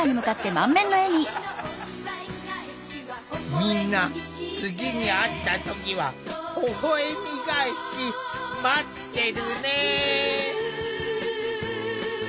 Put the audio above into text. みんな次に会った時は「ほほえみがえし」待ってるね。